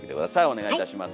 お願いいたします。